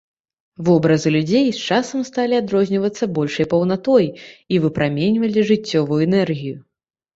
Вобразы людзей з часам сталі адрознівацца большай паўнатой і выпраменьвалі жыццёвую энергію.